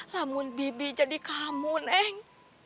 namun bibi jadi kamu neng